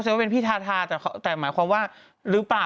ว่าเป็นพี่ทาทาแต่หมายความว่าหรือเปล่า